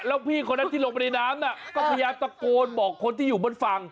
แล้วพี่คนนั้นที่ลงไปในน้ำน่ะก็พยายามตะโกนบอกคนที่อยู่บนฝั่ง